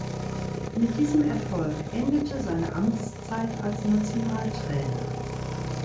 Mit diesem Erfolg endete seine Amtszeit als Nationaltrainer.